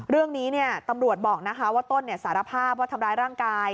เรื่องนี้ตำรวจบอกว่าต้นสารภาพว่าทำร้ายร่างกาย